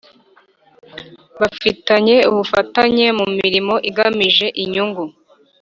Bafitanye ubufatanye mu mirimo igamije inyungu .